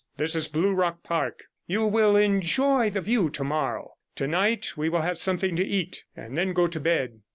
This is Blue Rock Park. You will enjoy the view tomorrow. Tonight we will have something to eat, and then go to bed.'